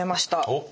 おっ！